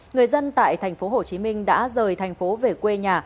người dân tại thành phố hồ chí minh đã rời thành phố về quê nhà